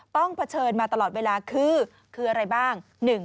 ต้องเผชิญมาตลอดเวลาคือคืออะไรบ้าง